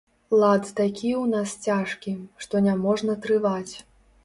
Лад такі ў нас цяжкі, што няможна трываць.